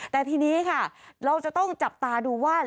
แต่ทีนี้ค่ะเราจะต้องจับตาดูว่า